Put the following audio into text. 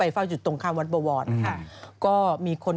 ในสารเหมือนอย่างนี้ค่ะ